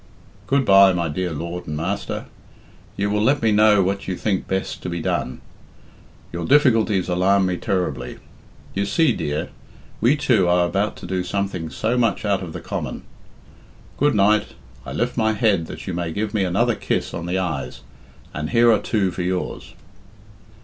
Good bye, my dear lord and master! You will let me know what you think best to be done. Your difficulties alarm me terribly. You see, dear, we two are about to do something so much out of the common. Good night! I lift my head that you may give me another kiss on the eyes, and here are two for yours."